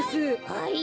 はい！？